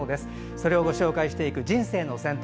それをご紹介していく「人生の選択」。